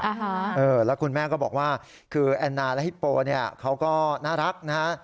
เออแล้วคุณแม่ก็บอกว่าคือแอนนาและฮิปโปเนี่ยเขาก็น่ารักนะฮะ